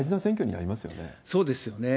そうですよね。